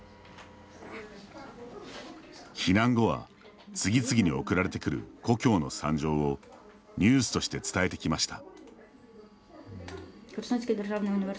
避難後は次々に送られてくる故郷の惨状をニュースとして伝えてきました。